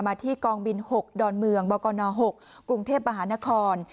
ที่กองบิน๖ดอนเมืองบกน๖กรุงเทพมหานคร